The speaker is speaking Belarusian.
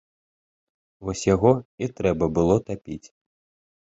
Вось яго і трэба было тапіць.